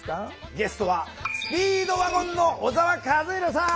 ゲストはスピードワゴンの小沢一敬さん。